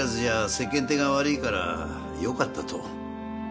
世間体が悪いからよかったと。